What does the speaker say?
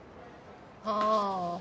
ああ。